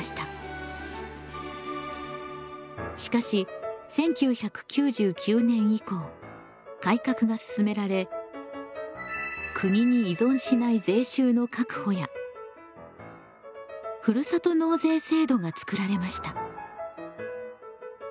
しかし１９９９年以降改革が進められ国に依存しない税収の確保やふるさと納税制度が作られました。